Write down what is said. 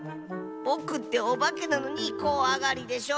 ぼくっておばけなのにこわがりでしょ。